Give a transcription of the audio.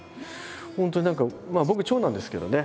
本当に何か僕長男ですけどね